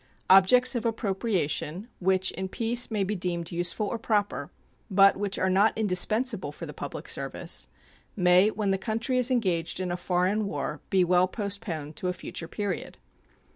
Objects of appropriation which in peace may be deemed useful or proper, but which are not indispensable for the public service, may when the country is engaged in a foreign war be well postponed to a future period.